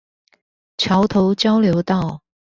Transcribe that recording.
橋頭交流道